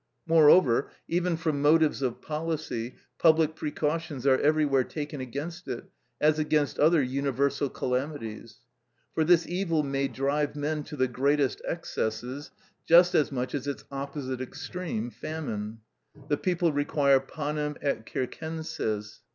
Moreover, even from motives of policy, public precautions are everywhere taken against it, as against other universal calamities. For this evil may drive men to the greatest excesses, just as much as its opposite extreme, famine: the people require panem et circenses.